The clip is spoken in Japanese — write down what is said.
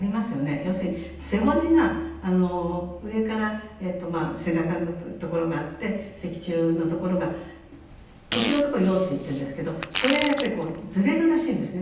要するに背骨が上から背中のところがあって脊柱のところが腰のとこを腰椎っていうんですけどそれがやっぱりこうずれるらしいんですね。